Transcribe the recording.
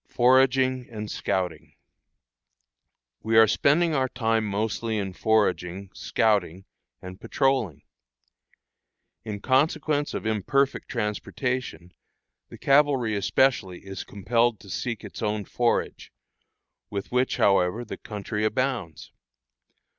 FORAGING AND SCOUTING. We are spending our time mostly in foraging, scouting, and patrolling. In consequence of imperfect transportation, the cavalry especially is compelled to seek its own forage, with which, however, the country abounds.